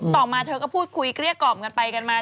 มาเธอก็พูดคุยเกลี้ยกล่อมกันไปกันมา